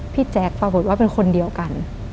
แจ๊คปรากฏว่าเป็นคนเดียวกัน